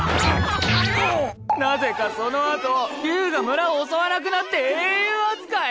なぜかその後竜が村を襲わなくなって英雄扱い！